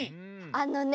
あのね